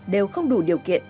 đều không đủ điều kiện